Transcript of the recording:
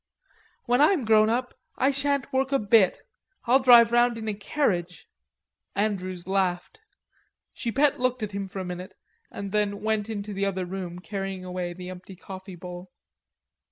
"When I'm grown up I shan't work a bit. I'll drive round in a carriage." Andrews laughed. Chipette looked at him for a minute and then went into the other room carrying away the empty coffee bowl.